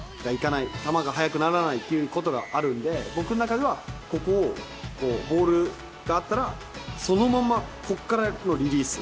球が速くならないっていうことがあるんで僕の中ではここをボールがあったらそのままここからのリリース。